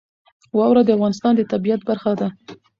واوره د افغانستان د طبیعت برخه ده.